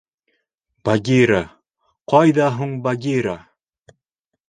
Багира... ҡайҙа һуң Багира?